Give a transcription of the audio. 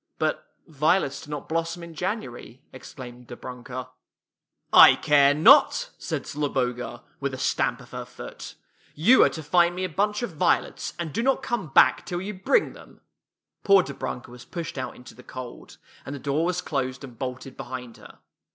" But violets do not blossom in January! " exclaimed Dobrunka. " I care not! " said Zloboga, with a stamp of her foot. " You are to find me a bunch of violets; and do not come back till you bring them! " Poor Dobrunka was pushed out into the cold, and the door was closed and bolted behind her.